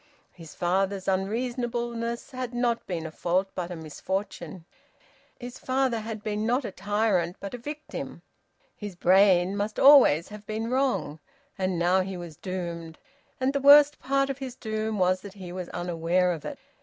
His father's unreasonableness had not been a fault, but a misfortune. His father had been not a tyrant, but a victim. His brain must always have been wrong! And now he was doomed, and the worst part of his doom was that he was unaware of it.